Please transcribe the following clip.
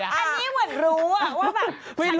อันนี้เหมือนรู้ว่าแบบ